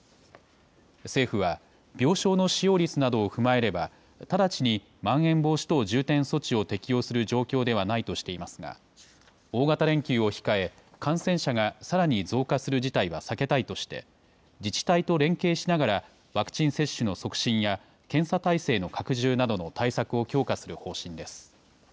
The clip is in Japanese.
政府は、病床の使用率などを踏まえれば、直ちにまん延防止等重点措置を適用する状況ではないとしていますが、大型連休を控え、感染者がさらに増加する事態は避けたいとして、自治体と連携しながら、ワクチン接種の促進や検査体制の拡充などの対策を強化する方針です。